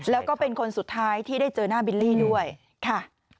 แล้วก็เป็นคนสุดท้ายที่ได้เจอหน้าบิลลี่ด้วยค่ะ